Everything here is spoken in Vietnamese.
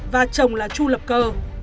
và chồng là chu lập cơ